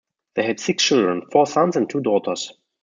They had six children, four sons and two daughters.